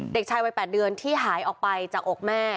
เด็กชายวัย๘เดือนที่หายออกไปจากอกแม่